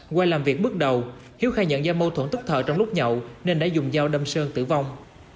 qua làm việc bước đầu hiếu khai nhận do mâu thuẫn tức thợ trong lúc nhậu nên đã dùng dao đâm sơn tử vong